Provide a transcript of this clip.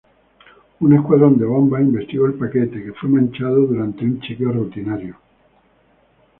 Un escuadrón de bombas investigó el paquete, que fue manchado durante un chequeo rutinario.